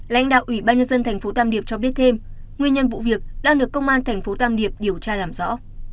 lãnh đạo ủy ban nhân dân tp tam điệp cho biết thêm nguyên nhân vụ việc đang được công an thành phố tam điệp điều tra làm rõ